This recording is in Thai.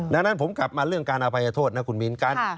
ดังนั้นผมกลับมาเรื่องการอภัยโทษนะคุณมินกัน